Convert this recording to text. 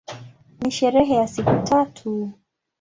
Ni sherehe ya siku tatu.